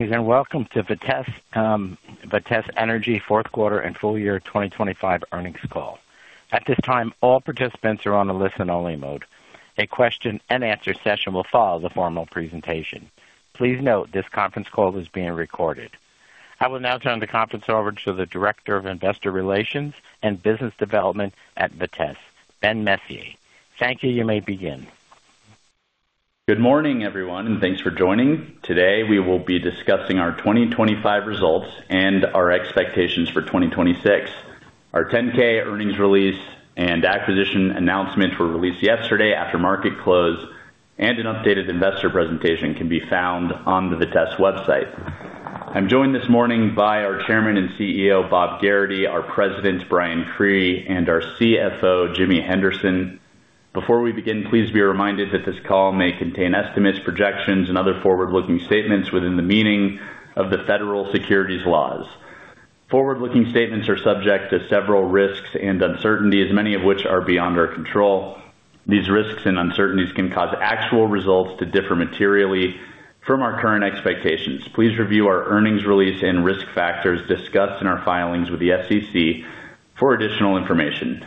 Welcome to Vitesse Energy Fourth Quarter and Full Year 2025 earnings call. At this time, all participants are on a listen only mode. A question and answer session will follow the formal presentation. Please note this conference call is being recorded. I will now turn the conference over to the Director of Investor Relations and Business Development at Vitesse, Ben Messier. Thank you. You may begin. Good morning, everyone, and thanks for joining. Today, we will be discussing our 2025 results and our expectations for 2026. Our 10-K earnings release and acquisition announcement were released yesterday after market close, and an updated investor presentation can be found on the Vitesse website. I'm joined this morning by our Chairman and CEO, Bob Gerrity, our President, Brian Cree, and our CFO, Jimmy Henderson. Before we begin, please be reminded that this call may contain estimates, projections and other forward-looking statements within the meaning of the federal securities laws. Forward-looking statements are subject to several risks and uncertainties, many of which are beyond our control. These risks and uncertainties can cause actual results to differ materially from our current expectations. Please review our earnings release and risk factors discussed in our filings with the SEC for additional information.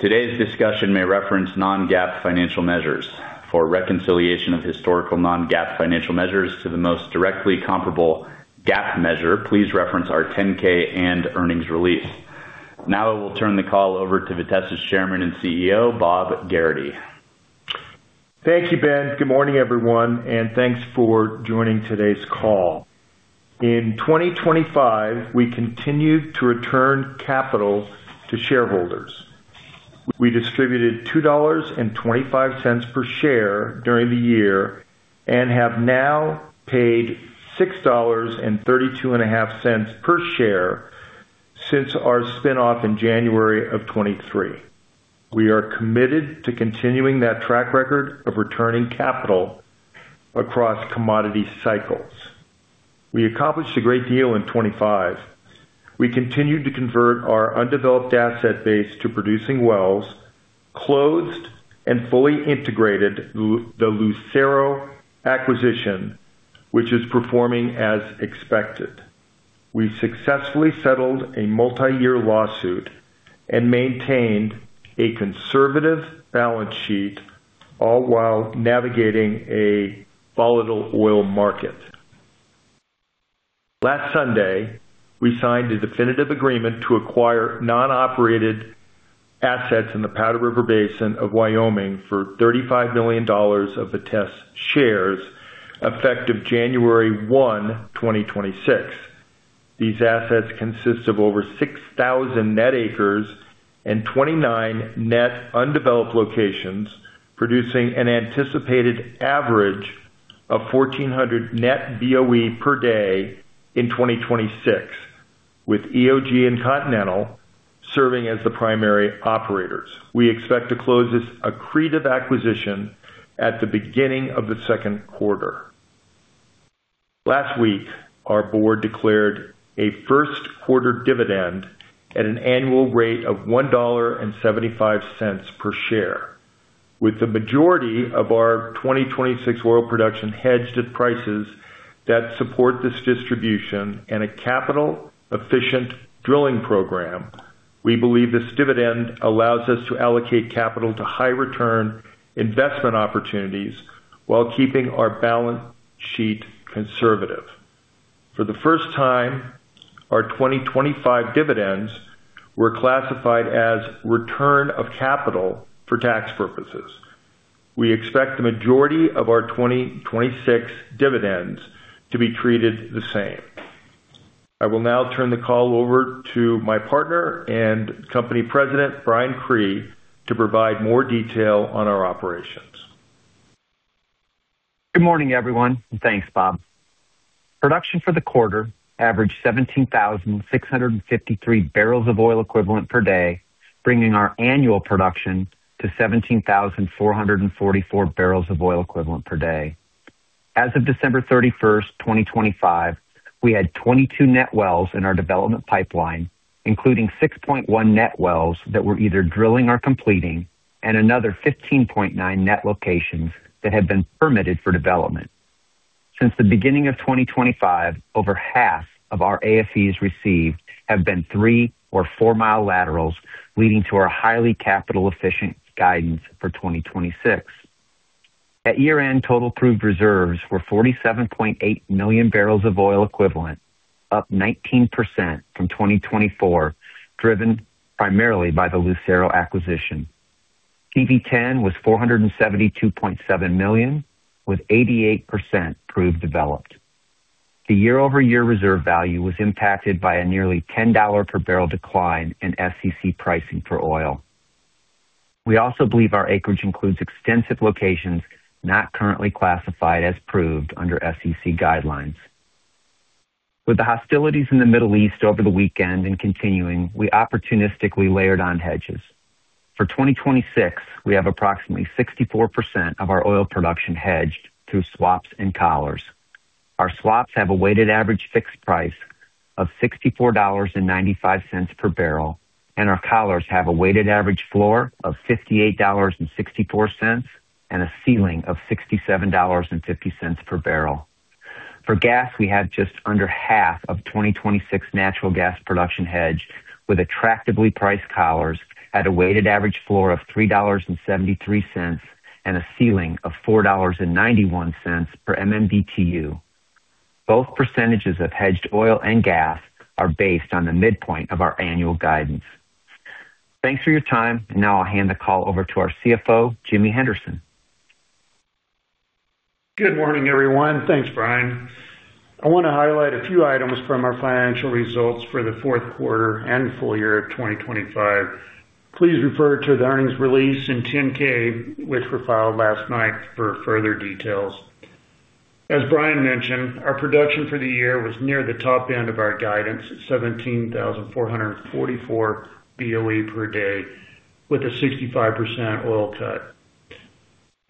Today's discussion may reference non-GAAP financial measures. For reconciliation of historical non-GAAP financial measures to the most directly comparable GAAP measure, please reference our 10-K and earnings release. I will turn the call over to Vitesse's Chairman and CEO, Bob Gerrity. Thank you, Ben. Good morning, everyone, and thanks for joining today's call. In 2025, we continued to return capital to shareholders. We distributed $2.25 per share during the year and have now paid $6.325 per share since our spin-off in January of 2023. We are committed to continuing that track record of returning capital across commodity cycles. We accomplished a great deal in 2025. We continued to convert our undeveloped asset base to producing wells, closed and fully integrated the Lucero acquisition, which is performing as expected. We successfully settled a multi-year lawsuit and maintained a conservative balance sheet, all while navigating a volatile oil market. Last Sunday, we signed a definitive agreement to acquire non-operated assets in the Powder River Basin of Wyoming for $35 million of Vitesse shares, effective January 1, 2026. These assets consist of over 6,000 net acres and 29 net undeveloped locations, producing an anticipated average of 1,400 net BOE per day in 2026, with EOG and Continental serving as the primary operators. We expect to close this accretive acquisition at the beginning of the 2nd quarter. Last week, our board declared a first quarter dividend at an annual rate of $1.75 per share. With the majority of our 2026 oil production hedged at prices that support this distribution and a capital efficient drilling program, we believe this dividend allows us to allocate capital to high return investment opportunities while keeping our balance sheet conservative. For the first time, our 2025 dividends were classified as return of capital for tax purposes. We expect the majority of our 2026 dividends to be treated the same. I will now turn the call over to my partner and company president, Brian Cree, to provide more detail on our operations. Good morning, everyone. Thanks, Bob. Production for the quarter averaged 17,653 barrels of oil equivalent per day, bringing our annual production to 17,444 barrels of oil equivalent per day. As of December 31, 2025, we had 22 net wells in our development pipeline, including 6.1 net wells that we're either drilling or completing, and another 15.9 net locations that have been permitted for development. Since the beginning of 2025, over half of our AFEs received have been 3 mi or 4 mi laterals, leading to our highly capital efficient guidance for 2026. At year-end, total proved reserves were 47.8 million barrels of oil equivalent, up 19% from 2024, driven primarily by the Lucero acquisition. PV-10 was $472.7 million, with 88% proved developed. The year-over-year reserve value was impacted by a nearly $10 per barrel decline in SEC pricing for oil. We also believe our acreage includes extensive locations not currently classified as proved under SEC guidelines. With the hostilities in the Middle East over the weekend and continuing, we opportunistically layered on hedges. For 2026, we have approximately 64% of our oil production hedged through swaps and collars. Our swaps have a weighted average fixed price of $64.95 per barrel, and our collars have a weighted average floor of $58.64 and a ceiling of $67.50 per barrel. For gas, we had just under half of 2026 natural gas production hedged with attractively priced collars at a weighted average floor of $3.73 and a ceiling of $4.91 per MMBtu. Both percentages of hedged oil and gas are based on the midpoint of our annual guidance. Thanks for your time. Now I'll hand the call over to our CFO, Jimmy Henderson. Good morning, everyone. Thanks, Brian. I want to highlight a few items from our financial results for the fourth quarter and full year of 2025. Please refer to the earnings release in 10-K, which were filed last night for further details. As Brian mentioned, our production for the year was near the top end of our guidance, 17,444 BOE per day, with a 65% oil cut.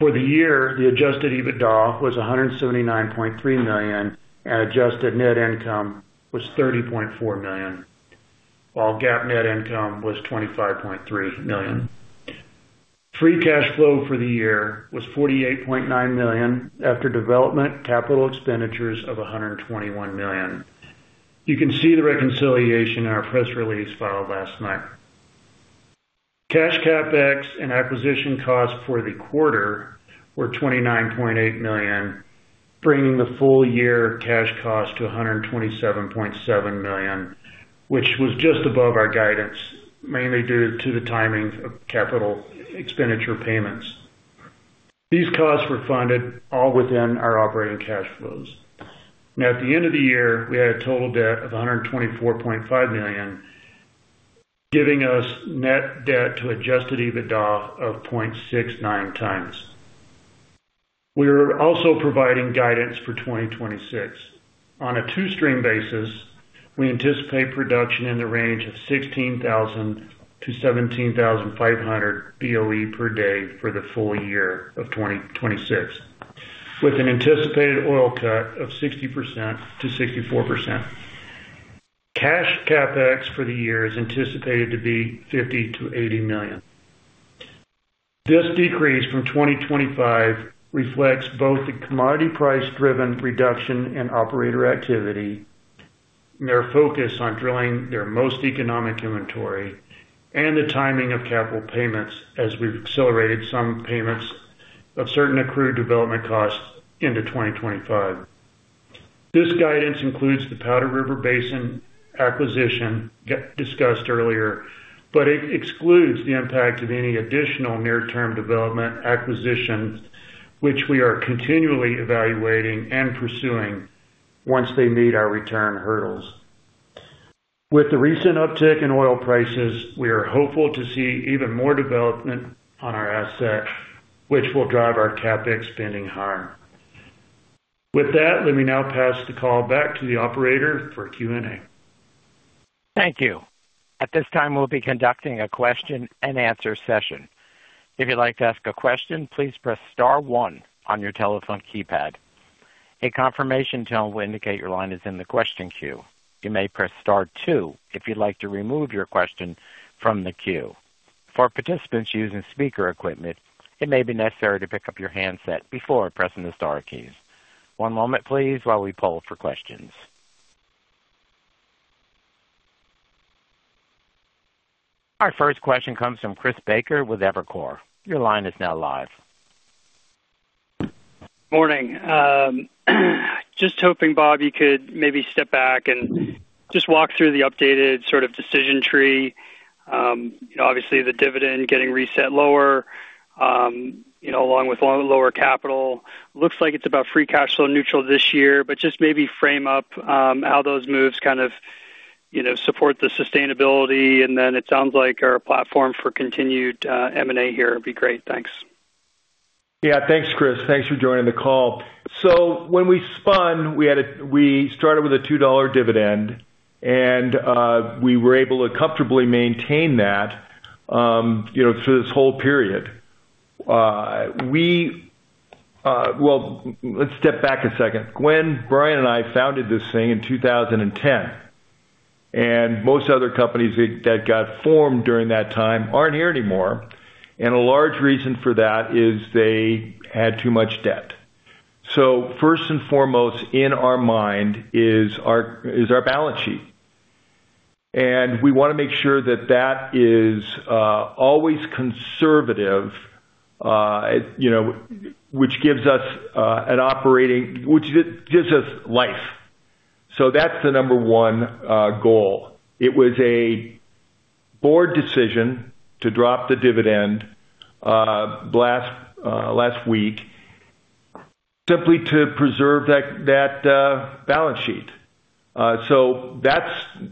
For the year, the Adjusted EBITDA was $179.3 million, and adjusted net income was $30.4 million, while GAAP net income was $25.3 million. Free cash flow for the year was $48.9 million after development capital expenditures of $121 million. You can see the reconciliation in our press release filed last night. Cash CapEx and acquisition costs for the quarter were $29.8 million, bringing the full year cash cost to $127.7 million, which was just above our guidance, mainly due to the timing of capital expenditure payments. These costs were funded all within our operating cash flows. At the end of the year, we had a total debt of $124.5 million, giving us net debt to Adjusted EBITDA of 0.69x. We are also providing guidance for 2026. On a two-stream basis, we anticipate production in the range of 16,000 BOE-17,500 BOE per day for the full year of 2026, with an anticipated oil cut of 60%-64%. Cash CapEx for the year is anticipated to be $50 million-$80 million. This decrease from 2025 reflects both the commodity price-driven reduction in operator activity and their focus on drilling their most economic inventory and the timing of capital payments as we've accelerated some payments of certain accrued development costs into 2025. This guidance includes the Powder River Basin acquisition discussed earlier. It excludes the impact of any additional near-term development acquisitions, which we are continually evaluating and pursuing once they meet our return hurdles. With the recent uptick in oil prices, we are hopeful to see even more development on our assets, which will drive our CapEx spending higher. With that, let me now pass the call back to the operator for Q&A. Thank you. At this time, we'll be conducting a question-and-answer session. If you'd like to ask a question, please press star one on your telephone keypad. A confirmation tone will indicate your line is in the question queue. You may press star two if you'd like to remove your question from the queue. For participants using speaker equipment, it may be necessary to pick up your handset before pressing the star keys. One moment, please, while we poll for questions. Our first question comes from Chris Baker with Evercore. Your line is now live. Morning. Just hoping, Bob, you could maybe step back and just walk through the updated sort of decision tree. Obviously, the dividend getting reset lower, you know, along with lower capital. Looks like it's about free cash flow neutral this year, but just maybe frame up how those moves kind of, you know, support the sustainability, and then it sounds like our platform for continued M&A here would be great. Thanks. Yeah. Thanks, Chris. Thanks for joining the call. When we spun, we started with a $2 dividend, and we were able to comfortably maintain that, you know, through this whole period. Well, let's step back a second. When Brian and I founded this thing in 2010, most other companies that got formed during that time aren't here anymore. A large reason for that is they had too much debt. First and foremost in our mind is our balance sheet. We wanna make sure that that is always conservative, you know, which gives us an operating... Which gives us life. That's the number one goal. It was a board decision to drop the dividend last week simply to preserve that balance sheet. That's,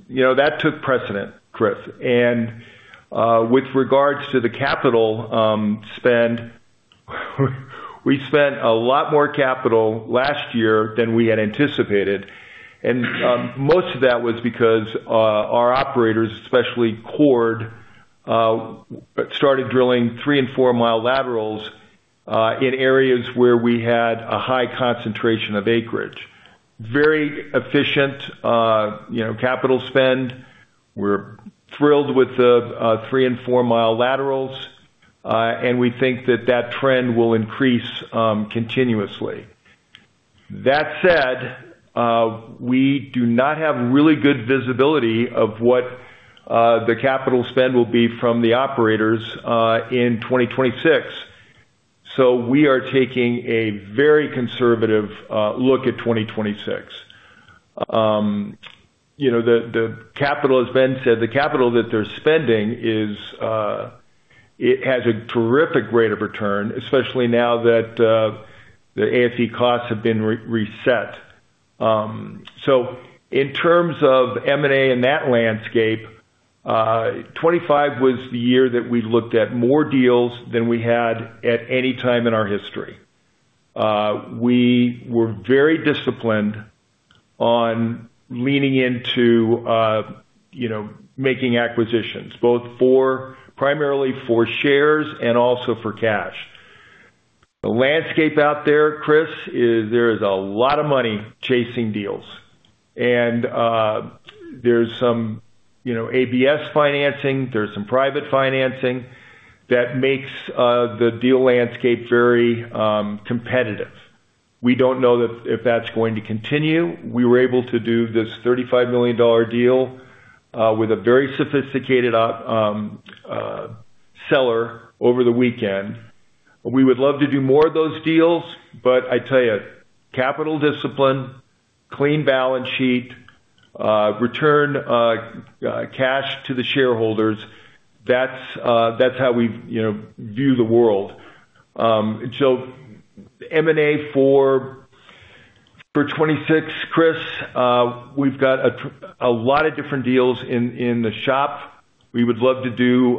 you know, that took precedent, Chris. With regards to the capital spend, we spent a lot more capital last year than we had anticipated. Most of that was because our operators, especially Chord Energy, started drilling 3 mi and 4 mi laterals. In areas where we had a high concentration of acreage. Very efficient, you know, capital spend. We're thrilled with the 3 mi and 4 mi laterals, and we think that trend will increase continuously. That said, we do not have really good visibility of what the capital spend will be from the operators in 2026. We are taking a very conservative look at 2026. You know, the capital, as Ben said, the capital that they're spending is, it has a terrific rate of return, especially now that the AFE costs have been re-reset. In terms of M&A in that landscape, 25 was the year that we looked at more deals than we had at any time in our history. We were very disciplined on leaning into, you know, making acquisitions, primarily for shares and also for cash. The landscape out there, Chris, is there is a lot of money chasing deals. There's some, you know, ABS financing, there's some private financing that makes the deal landscape very competitive. We don't know if that's going to continue. We were able to do this $35 million deal with a very sophisticated seller over the weekend. I tell you, capital discipline, clean balance sheet, return cash to the shareholders, that's how we, you know, view the world. M&A for 2026, Chris, we've got a lot of different deals in the shop. We would love to do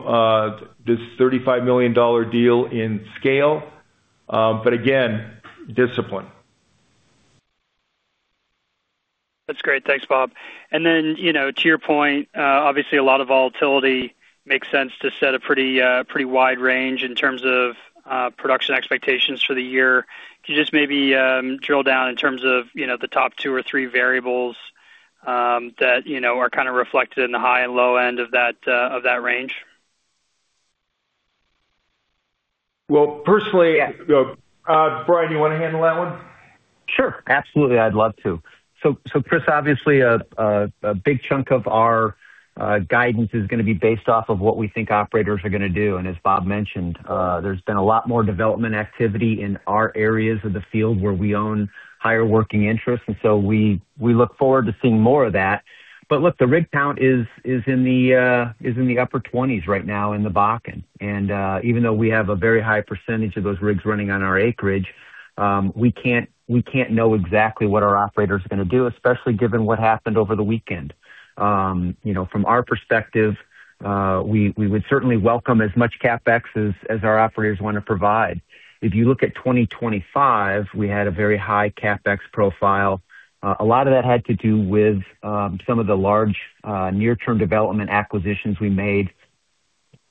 this $35 million deal in scale. Again, discipline. That's great. Thanks, Bob. You know, to your point, obviously a lot of volatility makes sense to set a pretty wide range in terms of production expectations for the year. Can you just maybe drill down in terms of, you know, the top two or three variables that, you know, are kind of reflected in the high and low end of that range? Well, personally, Brian, you wanna handle that one? Sure. Absolutely. I'd love to. Chris, obviously a big chunk of our guidance is gonna be based off of what we think operators are gonna do. As Bob mentioned, there's been a lot more development activity in our areas of the field where we own higher working interests, so we look forward to seeing more of that. Look, the rig count is in the upper twenties right now in the Bakken. Even though we have a very high percentage of those rigs running on our acreage, we can't know exactly what our operators are gonna do, especially given what happened over the weekend. You know, from our perspective, we would certainly welcome as much CapEx as our operators wanna provide. If you look at 2025, we had a very high CapEx profile. A lot of that had to do with some of the large near-term development acquisitions we made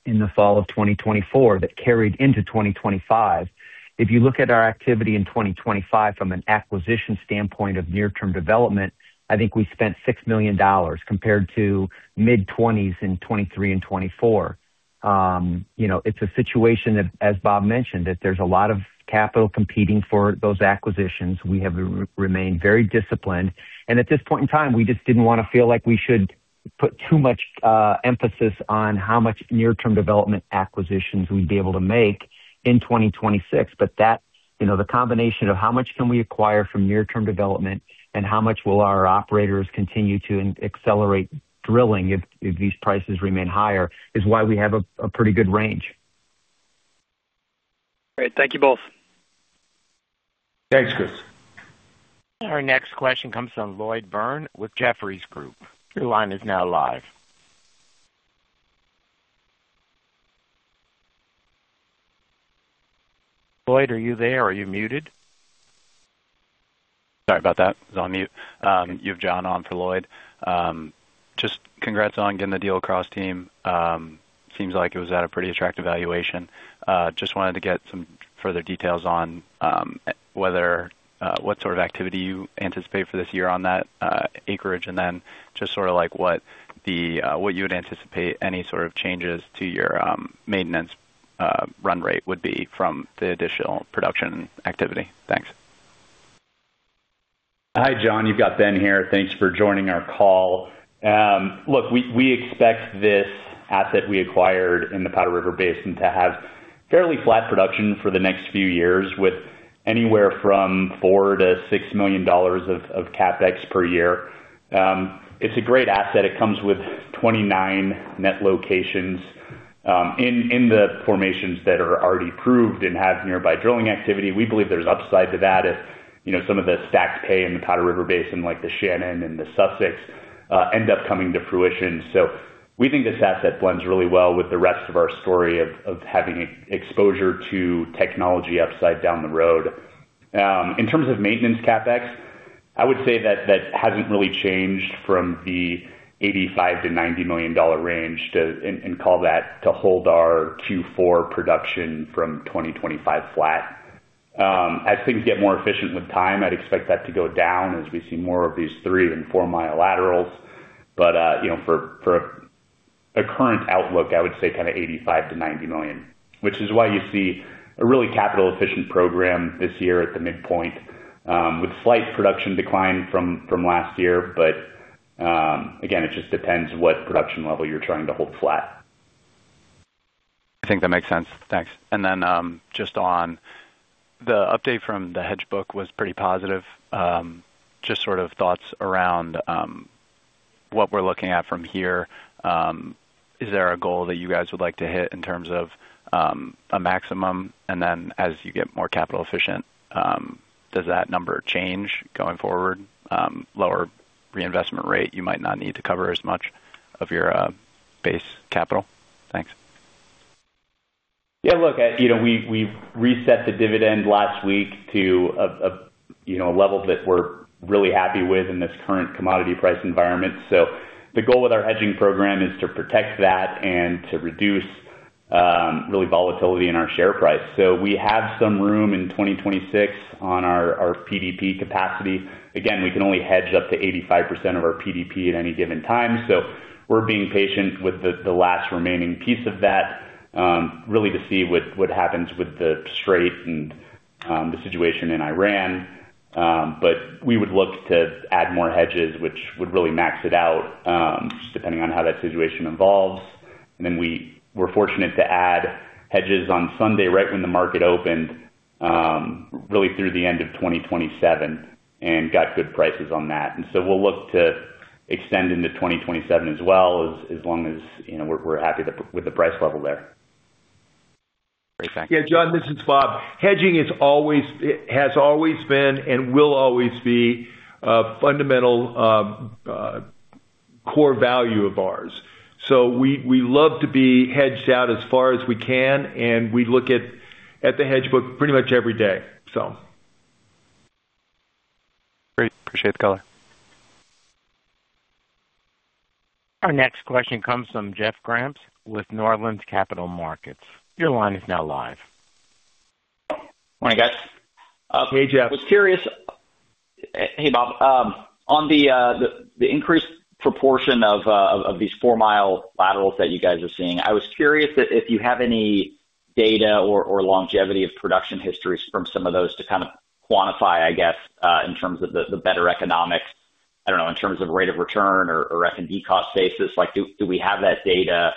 in the fall of 2024 that carried into 2025. If you look at our activity in 2025 from an acquisition standpoint of near-term development, I think we spent $6 million compared to mid-twenties in 2023 and 2024. You know, it's a situation as Bob mentioned, that there's a lot of capital competing for those acquisitions. We have remained very disciplined. At this point in time, we just didn't wanna feel like we should put too much emphasis on how much near-term development acquisitions we'd be able to make in 2026. That's, you know, the combination of how much can we acquire from near-term development and how much will our operators continue to accelerate drilling if these prices remain higher is why we have a pretty good range. Great. Thank you both. Thanks, Chris. Our next question comes from Lloyd Byrne with Jefferies Group. Your line is now live. Lloyd, are you there? Are you muted? Sorry about that. I was on mute. You have John on for Lloyd. Just congrats on getting the deal across team. Seems like it was at a pretty attractive valuation. Just wanted to get some further details on whether what sort of activity you anticipate for this year on that acreage, and then just sort of like what the what you would anticipate any sort of changes to your maintenance run rate would be from the additional production activity. Thanks. Hi, John. You've got Ben here. Thanks for joining our call. Look, we expect this asset we acquired in the Powder River Basin to have fairly flat production for the next few years with anywhere from $4 million-$6 million of CapEx per year. It's a great asset. It comes with 29 net locations in the formations that are already proved and have nearby drilling activity. We believe there's upside to that if, you know, some of the stacked pay in the Powder River Basin, like the Shannon and the Sussex, end up coming to fruition. We think this asset blends really well with the rest of our story of having e-exposure to technology upside down the road. In terms of maintenance CapEx. I would say that that hasn't really changed from the $85 million-$90 million range to call that to hold our Q4 production from 2025 flat. As things get more efficient with time, I'd expect that to go down as we see more of these 3 mi and 4 mi laterals. You know, for a current outlook, I would say kinda $85 million-$90 million, which is why you see a really capital efficient program this year at the midpoint, with slight production decline from last year. Again, it just depends what production level you're trying to hold flat. I think that makes sense. Thanks. Just on the update from the hedge book was pretty positive. Just sort of thoughts around what we're looking at from here. Is there a goal that you guys would like to hit in terms of a maximum? As you get more capital efficient, does that number change going forward? Lower reinvestment rate, you might not need to cover as much of your base capital. Thanks. Yeah, look, you know, we've reset the dividend last week to a, you know, a level that we're really happy with in this current commodity price environment. The goal with our hedging program is to protect that and to reduce really volatility in our share price. We have some room in 2026 on our PDP capacity. Again, we can only hedge up to 85% of our PDP at any given time, so we're being patient with the last remaining piece of that really to see what happens with the Strait and the situation in Iran. We would look to add more hedges, which would really max it out just depending on how that situation evolves. Then we were fortunate to add hedges on Sunday, right when the market opened, really through the end of 2027 and got good prices on that. So we'll look to extend into 2027 as well as long as, you know, we're happy with the price level there. Great. Thank you. Yeah, John, this is Bob. It has always been and will always be a fundamental core value of ours. We love to be hedged out as far as we can, and we look at the hedge book pretty much every day, so. Great. Appreciate the color. Our next question comes from Jeff Grampp with Northland Capital Markets. Your line is now live. Morning, guys. Hey, Jeff. I was curious. Hey, Bob, on the increased proportion of these 4 mi laterals that you guys are seeing, I was curious if you have any data or longevity of production histories from some of those to kind of quantify, I guess, in terms of the better economics, I don't know, in terms of rate of return or F&D cost basis. Like, do we have that data?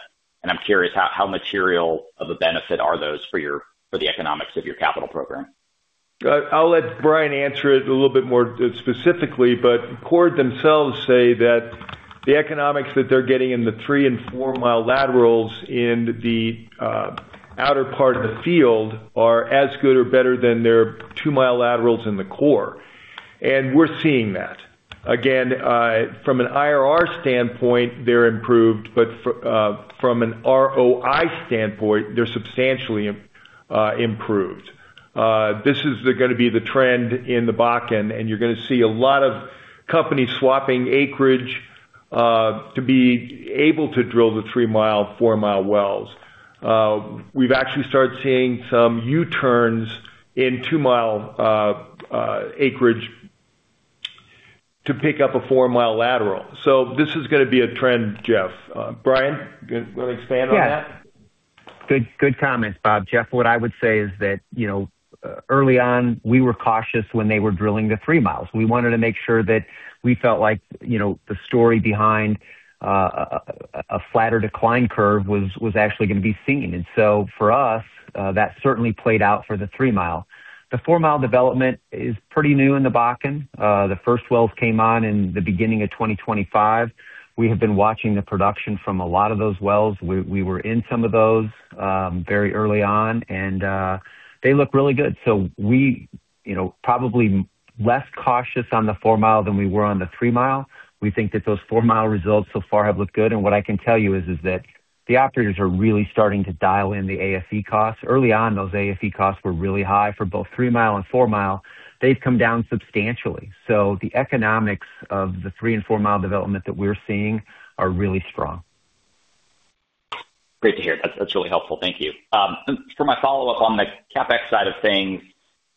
I'm curious how material of a benefit are those for your for the economics of your capital program? I'll let Brian answer it a little bit more, specifically, but Chord Energy themselves say that the economics that they're getting in the 3 mi and 4 mi laterals in the outer part of the field are as good or better than their 2 mi laterals in the core. We're seeing that. Again, from an IRR standpoint, they're improved, but from an ROI standpoint, they're substantially improved. This is gonna be the trend in the Bakken, and you're gonna see a lot of companies swapping acreage to be able to drill the 3 mi, 4 mi wells. We've actually started seeing some U-turns in 2 mi acreage to pick up a 4 mi lateral. This is gonna be a trend, Jeff. Brian, you wanna expand on that? Yeah. Good, good comments, Bob. Jeff, what I would say is that, you know, early on, we were cautious when they were drilling the 3 mi. We wanted to make sure that we felt like, you know, the story behind a flatter decline curve was actually gonna be seen. For us, that certainly played out for the 3 mi. The 4 mi development is pretty new in the Bakken. The first wells came on in the beginning of 2025. We have been watching the production from a lot of those wells. We were in some of those very early on and they look really good. We, you know, probably less cautious on the 4 mi than we were on the 3 mi. We think that those 4 mi results so far have looked good. What I can tell you is that the operators are really starting to dial in the LOE costs. Early on, those LOE costs were really high for both 3 mi and 4 mi. They've come down substantially. The economics of the 3 mi and 4 mi development that we're seeing are really strong. Great to hear. That's really helpful. Thank you. For my follow-up on the CapEx side of things,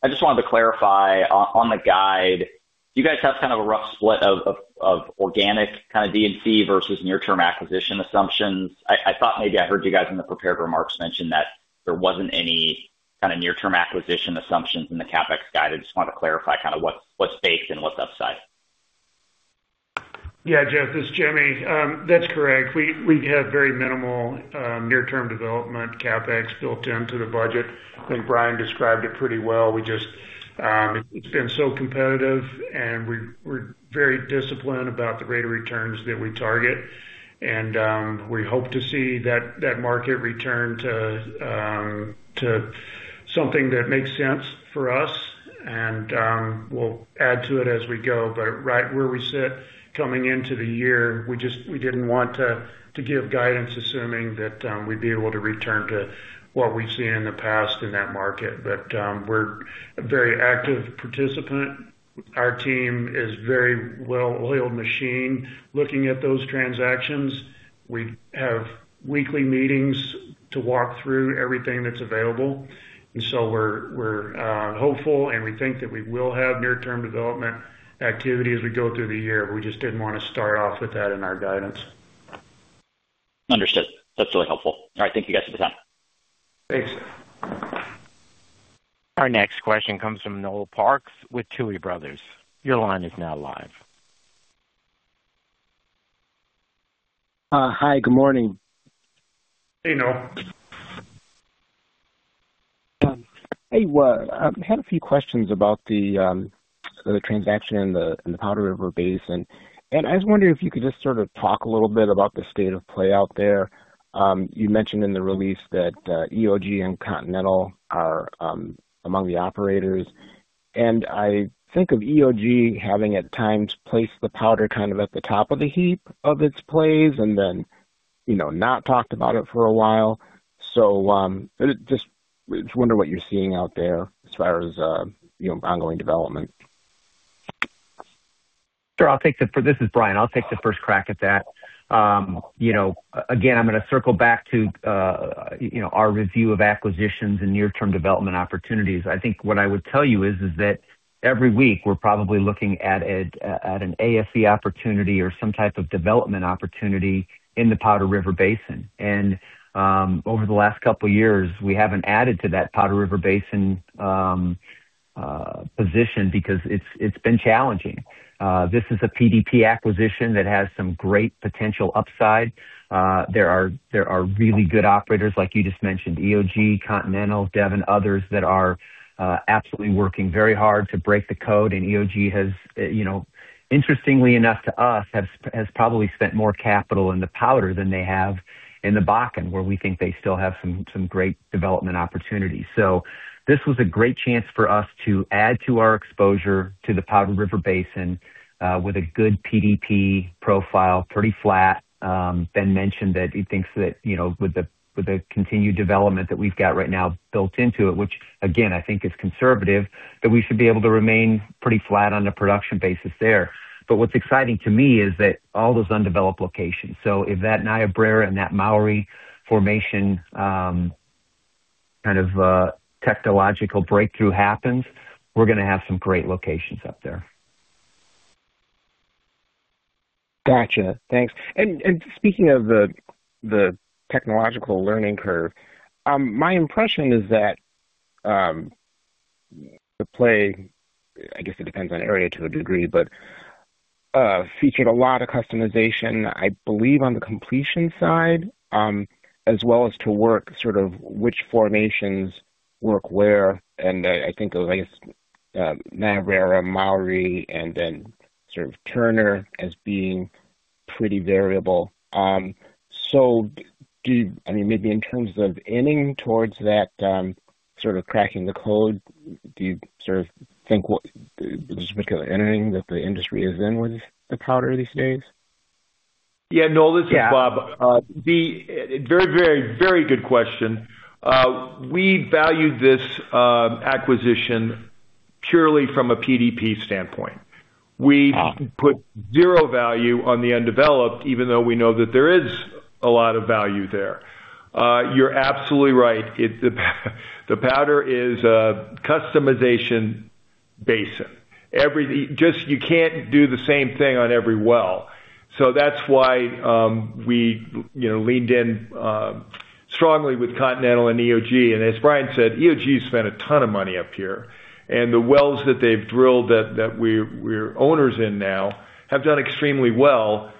I just wanted to clarify on the guide, do you guys have kind of a rough split of organic kinda D&C versus near-term acquisition assumptions? I thought maybe I heard you guys in the prepared remarks mention that there wasn't any kinda near-term acquisition assumptions in the CapEx guide. I just wanna clarify kinda what's base and what's upside. Yeah, Jeff, this is Jimmy. That's correct. We have very minimal near-term development CapEx built into the budget. I think Brian described it pretty well. We just. It's been so competitive, and we're very disciplined about the rate of returns that we target. We hope to see that market return to something that makes sense for us, we'll add to it as we go. Right where we sit coming into the year, we didn't want to give guidance, assuming that we'd be able to return to what we've seen in the past in that market. We're a very active participant. Our team is very well-oiled machine looking at those transactions. We have weekly meetings to walk through everything that's available. We're hopeful, and we think that we will have near-term development activity as we go through the year. We just didn't wanna start off with that in our guidance. Understood. That's really helpful. All right, thank you guys for the time. Thanks. Our next question comes from Noel Parks with Tuohy Brothers. Your line is now live. Hi, good morning. Hey, Noel. Hey. I had a few questions about the transaction in the Powder River Basin. I was wondering if you could just sort of talk a little bit about the state of play out there. You mentioned in the release that EOG and Continental are among the operators. I think of EOG having, at times, placed the Powder kind of at the top of the heap of its plays and then, you know, not talked about it for a while. Just wonder what you're seeing out there as far as, you know, ongoing development. Sure. This is Brian. I'll take the first crack at that. You know, again, I'm gonna circle back to, you know, our review of acquisitions and near-term development opportunities. I think what I would tell you is that every week we're probably looking at an AFE opportunity or some type of development opportunity in the Powder River Basin. Over the last couple years, we haven't added to that Powder River Basin position because it's been challenging. This is a PDP acquisition that has some great potential upside. There are really good operators like you just mentioned, EOG, Continental, Devon, others that are absolutely working very hard to break the code. EOG has, you know, interestingly enough to us, has probably spent more capital in the Powder than they have in the Bakken, where we think they still have some great development opportunities. This was a great chance for us to add to our exposure to the Powder River Basin with a good PDP profile, pretty flat. Ben mentioned that he thinks that, you know, with the continued development that we've got right now built into it, which again, I think is conservative, that we should be able to remain pretty flat on the production basis there. What's exciting to me is that all those undeveloped locations. If that Niobrara and that Mowry formation, kind of technological breakthrough happens, we're gonna have some great locations up there. Gotcha. Thanks. Speaking of the technological learning curve, my impression is that the play, I guess it depends on area to a degree, but featured a lot of customization, I believe, on the completion side, as well as to work sort of which formations work where, I think of, I guess, Niobrara, Mowry, and then sort of Turner as being pretty variable. Do you I mean, maybe in terms of inning towards that, sort of cracking the code, do you sort of think what the particular inning that the industry is in with the Powder these days? Yeah, Noel, this is Bob. Very good question. We valued this acquisition purely from a PDP standpoint. Wow. We put zero value on the undeveloped, even though we know that there is a lot of value there. You're absolutely right. The Powder is a customization basin. Just you can't do the same thing on every well. That's why, we, you know, leaned in strongly with Continental and EOG. As Brian said, EOG spent a ton of money up here. The wells that they've drilled that we're owners in now have done extremely well.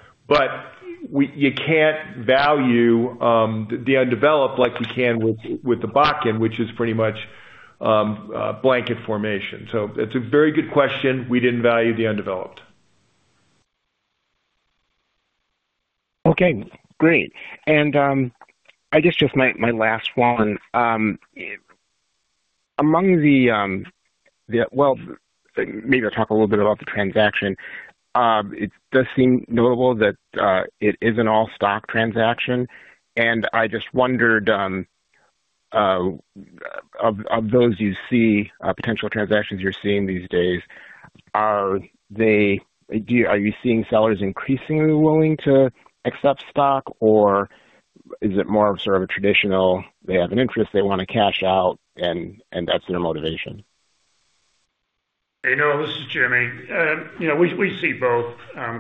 You can't value the undeveloped like you can with the Bakken, which is pretty much a blanket formation. It's a very good question. We didn't value the undeveloped. Okay, great. I guess just my last one. Well, maybe I'll talk a little bit about the transaction. It does seem notable that it is an all-stock transaction. I just wondered, of those you see, potential transactions you're seeing these days, are they? Are you seeing sellers increasingly willing to accept stock, or is it more of sort of a traditional, they have an interest they wanna cash out and that's their motivation? Hey, Noel, this is Jimmy. you know, we see both,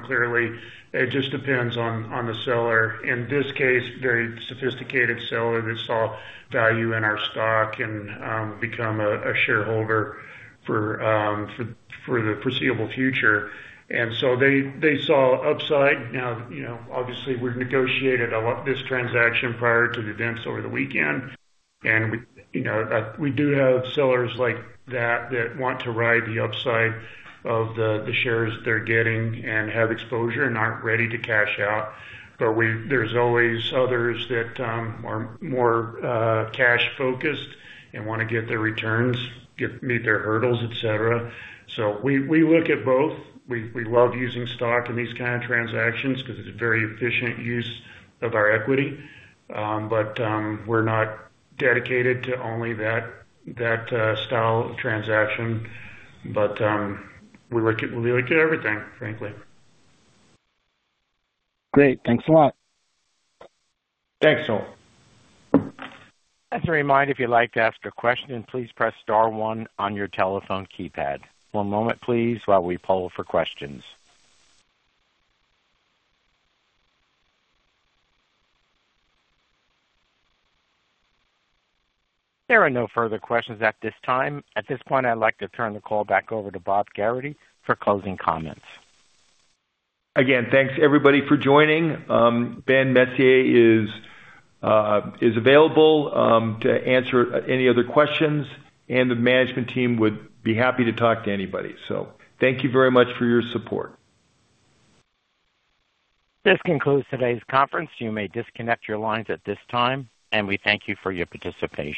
clearly. It just depends on the seller. In this case, very sophisticated seller that saw value in our stock and become a shareholder for the foreseeable future. They saw upside. Now, you know, obviously, we negotiated a lot this transaction prior to the events over the weekend. We, you know, we do have sellers like that that want to ride the upside of the shares they're getting and have exposure and aren't ready to cash out. There's always others that are more cash focused and wanna get their returns, meet their hurdles, et cetera. We look at both. We love using stock in these kind of transactions 'cause it's a very efficient use of our equity. We're not dedicated to only that style of transaction. We look at everything, frankly. Great. Thanks a lot. Thanks, Noel. Just a reminder, if you'd like to ask a question, please press star one on your telephone keypad. One moment, please, while we poll for questions. There are no further questions at this time. At this point, I'd like to turn the call back over to Bob Gerrity for closing comments. Thanks everybody for joining. Ben Messier is available to answer any other questions, and the management team would be happy to talk to anybody. Thank you very much for your support. This concludes tod ay's conference. You may disconnect your lines at this time, and we thank you for your participation.